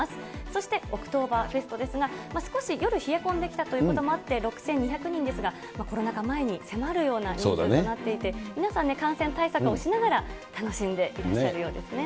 そして、オクトーバーフェストですが、少し夜冷え込んできたということもあって、６２００人ですが、コロナ禍前に迫るようなお客さんの数となっていて、感染対策をしながら、楽しんでいらっしゃるようですね。